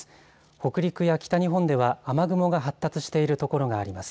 北陸や北日本では雨雲が発達しているところがあります。